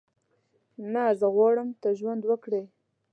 نه، زه غواړم ته ژوند وکړې.